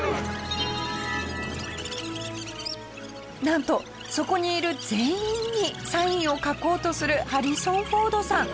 なんとそこにいる全員にサインを書こうとするハリソン・フォードさん。